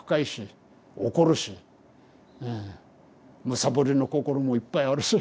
むさぼりの心もいっぱいあるし。